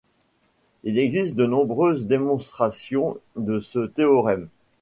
Il existe de nombreuses démonstrations de ce théorème.